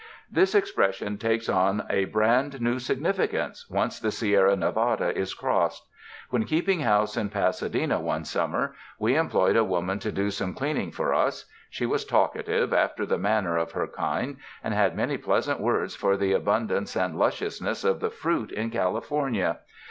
This expression takes on a brand new significance once the Sierra Nevada is crossed. When keeping house in Pasadena one summer, we employed a woman to do some cleaning for us. She was talkative, after the manner of her kind, and had many pleasant words for the abundance and lus ciousness of the fruit in California.